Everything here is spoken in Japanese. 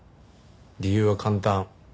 理由は簡単。